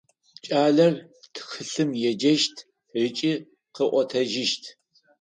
Кӏалэр тхылъым еджэщт ыкӏи къыӏотэжьыщт.